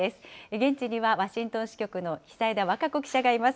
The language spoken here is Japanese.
現地にはワシントン支局の久枝和歌子記者がいます。